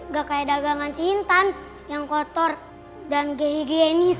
gak kayak dagangan si intan yang kotor dan gehigenis